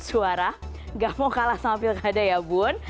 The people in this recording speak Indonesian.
suara gak mau kalah sama pilkada ya bun